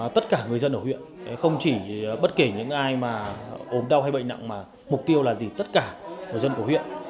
tất cả người dân ở huyện không chỉ bất kể những ai mà ốm đau hay bệnh nặng mà mục tiêu là gì tất cả người dân của huyện